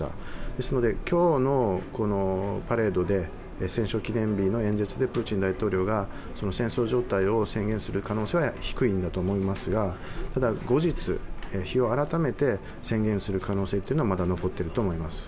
ですので、今日のパレードで戦勝記念日の演説でプーチン大統領が戦争状態を宣言する可能性は低いんだと思いますがただ、後日、日を改めて宣言する可能性はまだ残っていると思います。